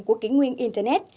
của kỷ nguyên internet